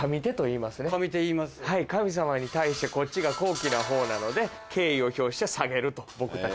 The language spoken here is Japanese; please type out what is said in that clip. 神様に対してこっちが高貴なほうなので敬意を表して下げると。